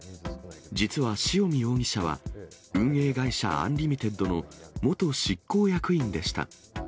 実は塩見容疑者は運営会社、アンリミテッドの元執行役員でした。